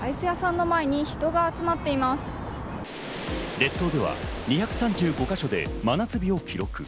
列島では２３５か所で真夏日を記録。